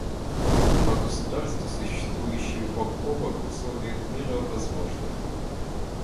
Два государства, существующие бок о бок в условиях мира, возможны.